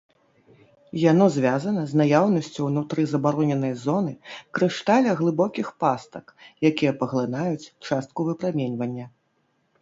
Яно звязана з наяўнасцю ўнутры забароненай зоны крышталя глыбокіх пастак, якія паглынаюць частку выпраменьвання.